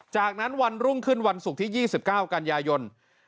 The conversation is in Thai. จากนั้นวันรุ่งขึ้นวันศุกร์ที่๒๙กันยายน